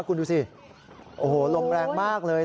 คุณดูสิโอ้โหลมแรงมากเลย